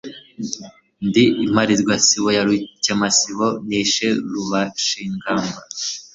Ndi imparirwasibo ya Rukemasibo nishe Rubashingamba